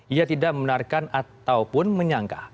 ia tidak membenarkan ataupun menyangka